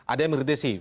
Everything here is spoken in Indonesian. ada yang mengerti sih